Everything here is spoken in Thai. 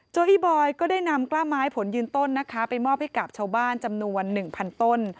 อีบอยก็ได้นำกล้าไม้ผลยืนต้นนะคะไปมอบให้กับชาวบ้านจำนวน๑๐๐ต้น